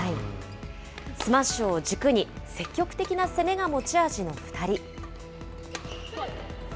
スマッシュを軸に、積極的な攻めが持ち味の２人。